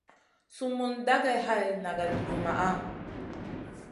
Sumun dagey hay nagada vumaʼa.